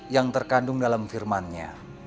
yang terkandung dalam firmannya